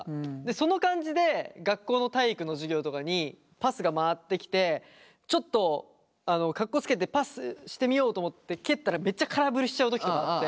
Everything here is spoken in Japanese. その感じで学校の体育の授業とかにパスが回ってきてちょっとかっこつけてパスしてみようと思って蹴ったらめっちゃ空振りしちゃう時とかあって。